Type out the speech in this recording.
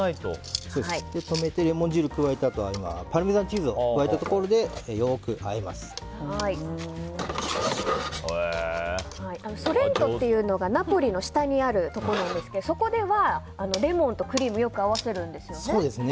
止めてレモン汁を加えてパルメザンチーズを加えたところでソレントというのがナポリの下にあるところなんですがそこではレモンとクリームをよく合わせるんですよね。